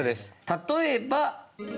例えば。